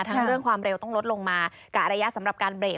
เรื่องความเร็วต้องลดลงมากะระยะสำหรับการเบรก